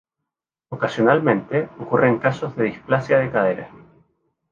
Ocasionalmente, ocurren casos de displasia de cadera.